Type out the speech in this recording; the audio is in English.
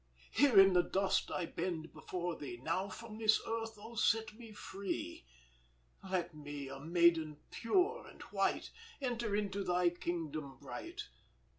Here in the dust I bend before thee, Now from this earth, oh set me free! Let me, a maiden pure and white, Enter into thy kingdom bright!